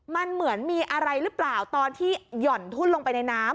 มันเหมือนมีอะไรหรือเปล่าตอนที่หย่อนทุ่นลงไปในน้ำ